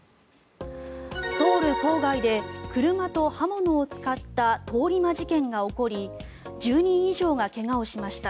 ソウル郊外で車と刃物を使った通り魔事件が起こり１０人以上が怪我をしました。